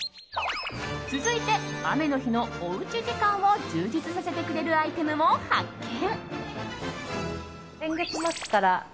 続いて、雨の日のおうち時間を充実させてくれるアイテムも発見。